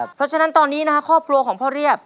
เพราะฉะนั้นตอนนี้นะครับครอบครัวของพ่อเรียบ